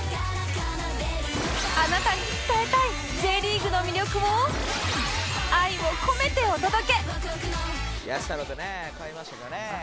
あなたに伝えたい Ｊ リーグの魅力を愛を込めてお届け！